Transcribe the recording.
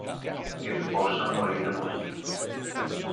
Che tu possa morire così.